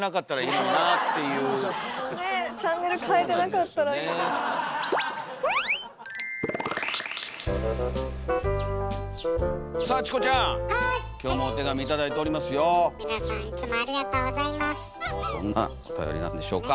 どんなおたよりなんでしょうか。